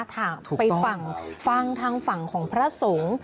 ถามไปฟังฟังทางฝั่งของพระสงฆ์